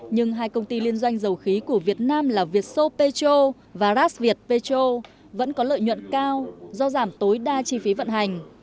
nhưng hai công ty liên doanh dầu khí của việt nam là vietso petro và rasviet petro vẫn có lợi nhuận cao do giảm tối đa chi phí vận hành